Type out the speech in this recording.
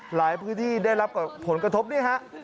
หลายพื้นที่ได้รับผลกระทบนี่ฮะ